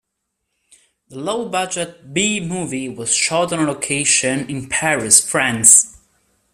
The low-budget B-movie was shot on location in Paris, France.